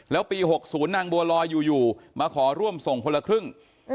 แล้วปี๖๐นางบัวลอยอยู่มาขอร่วมส่งคนละครึ่ง